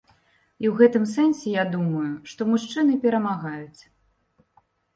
І ў гэтым сэнсе, я думаю, што мужчыны перамагаюць.